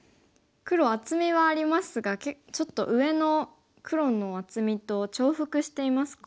黒厚みはありますがちょっと上の黒の厚みと重複していますか。